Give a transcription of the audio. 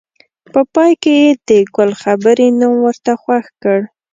په پای کې یې د ګل خبرې نوم ورته خوښ کړ.